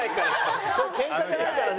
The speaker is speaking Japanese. けんかじゃないからね。